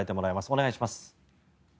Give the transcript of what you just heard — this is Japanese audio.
お願いします。